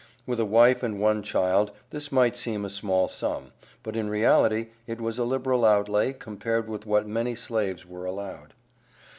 With a wife and one child this might seem a small sum, but in reality it was a liberal outlay compared with what many slaves were allowed.